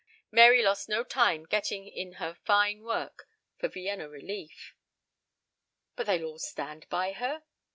Mary lost no time getting in her fine work for Vienna relief." "But they'll all stand by her?"